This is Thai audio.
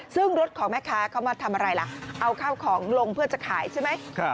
ซึ่งรถของแม่ค้าเขามาทำอะไรล่ะเอาข้าวของลงเพื่อจะขายใช่ไหม